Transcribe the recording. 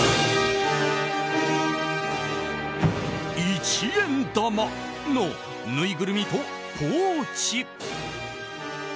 一円玉のぬいぐるみとポーチ。